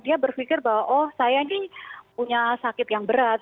dia berpikir bahwa oh saya ini punya sakit yang berat